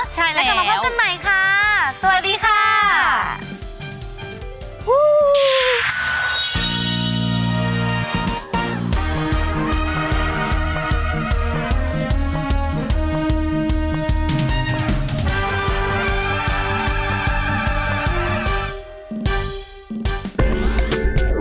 ใช่แล้วแล้วกลับมาพบกันใหม่ค่ะสวัสดีค่ะสวัสดีค่ะ